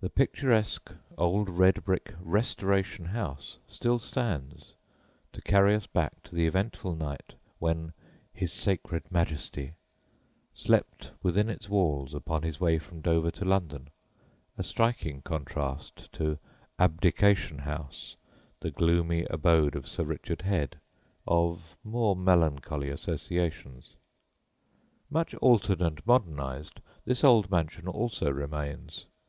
The picturesque old red brick "Restoration House" still stands to carry us back to the eventful night when "his sacred Majesty" slept within its walls upon his way from Dover to London a striking contrast to "Abdication House," the gloomy abode of Sir Richard Head, of more melancholy associations. Much altered and modernised, this old mansion also remains.